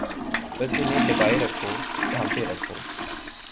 بس انہیں دبائے رکھو، ڈھانپے رکھو۔